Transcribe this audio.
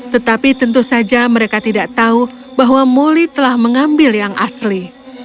tetapi tentu saja mereka tidak tahu bahwa moli telah mengambil yang asli